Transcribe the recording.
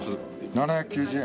７９０円。